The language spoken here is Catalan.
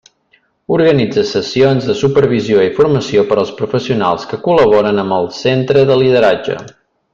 Organitza sessions de supervisió i formació per als professionals que col·laboren amb el Centre de Lideratge.